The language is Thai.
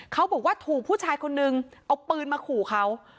เขาบอกว่าถูกผู้ชายคนนึงเอาปืนมาขู่เขา